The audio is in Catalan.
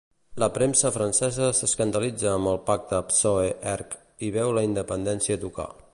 La premsa francesa s'escandalitza amb el pacte PSOE-ERC i veu la independència a tocar.